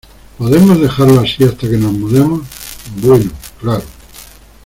¿ Podemos dejarlo así hasta que nos mudemos? Bueno, claro.